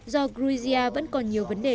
do georgia vẫn còn nhiều vấn đề